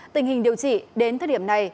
tình hình điều trị đến thời điểm này